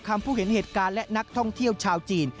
ผู้เห็นเหตุการณ์และนักท่องเที่ยวชาวจีน